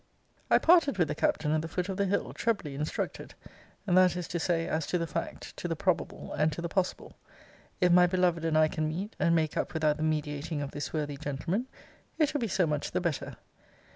I parted with the Captain at the foot of the hill, trebly instructed; that is to say, as to the fact, to the probable, and to the possible. If my beloved and I can meet, and make up without the mediating of this worthy gentleman, it will be so much the better.